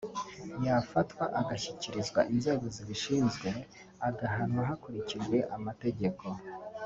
yafatwa agashyikirizwa inzego zibishinzwe agahanwa hakurikijwe amategeko